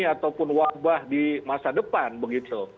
ataupun wabah di masa depan begitu